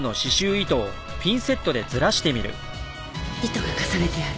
糸が重ねてある。